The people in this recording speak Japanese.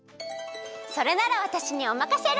それならわたしにおまかシェル！